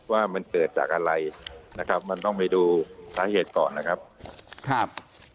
ว่ามันเกิดจากอะไรนะครับมันต้องไปดูสาเหตุก่อนนะครับครับ